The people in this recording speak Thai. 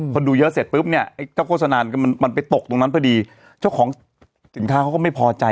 พอดูเยอะเสร็จปุ๊บเนี่ยไอ้เจ้าโฆษณาก็มันไปตกตรงนั้นพอดีเจ้าของสินค้าเขาก็ไม่พอใจ